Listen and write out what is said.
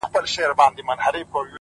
• چي زه وگورمه مورته او دا ماته,